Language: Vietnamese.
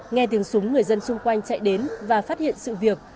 nghe tiếng súng người dân xung quanh chạy đến và phát hiện sự việc